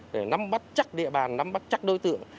để nắm bắt chắc địa bàn nắm bắt chắc đối tượng